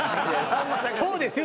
「そうです」